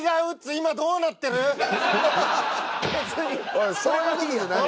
おいそういう事じゃない。